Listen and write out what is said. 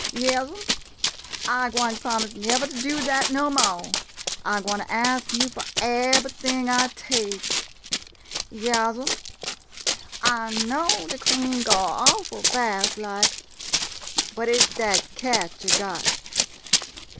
Yas 'm, I gwine promise nevah to do dat no mo'. I gwine ask yo' fo' eb'rything I take. Yas 'm, I know de cream go awful fast — like — but it 's dat cat yo' got.